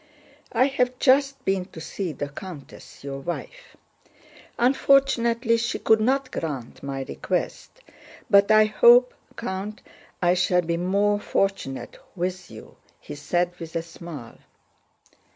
"I have just been to see the countess, your wife. Unfortunately she could not grant my request, but I hope, Count, I shall be more fortunate with you," he said with a smile.